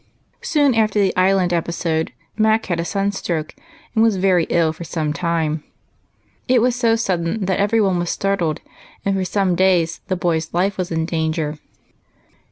Soon after the Island episode, Mac had a sun stroke, and was very ill for some time. It was so sudden that every one was startled, and for some days the boy's life was in danger.